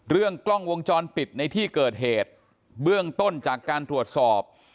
เรื่องกล้องวงจรปิดในที่เกิดเหตุเบื้องต้นจากการตรวจสอบ